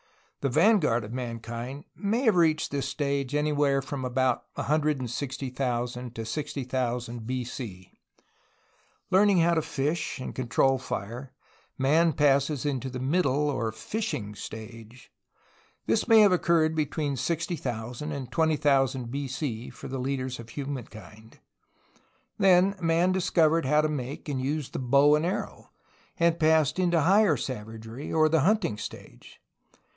The vanguard of mankind may have reached this stage anywhere from about 160,000 to 60,000 B. C. Learning how to fish and to control fire, man passes into the middle, or fishing, stage. This may have occurred between 60,000 and 20,000 B. C. for the leaders of human kind. Then man discovered how to make and use the bow and arrow, and passed into higher savagery, or the hunting stage.